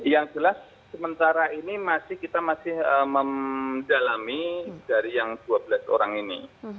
yang jelas sementara ini kita masih mendalami dari yang dua belas orang ini